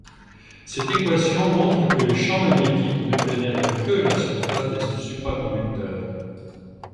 Cette équation montre que les champs magnétiques ne pénètrent que la surface des supraconducteurs.